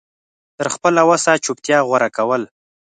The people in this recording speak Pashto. تر خپله وسه چوپتيا غوره کول